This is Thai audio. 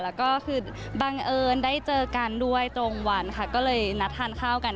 แล้วก็คือบังเอิญได้เจอกันด้วยตรงวันค่ะก็เลยนัดทานข้าวกัน